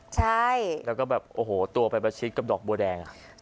ใช่แล้วก็แบบโอ้โหตัวไปประชิดกับดอกบัวแดง